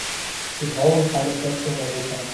Wir brauchen keine Festung Europa.